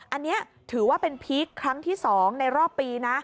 อันนี้ถือว่าเป็นพีคครั้งที่๒ในรอบปีนะ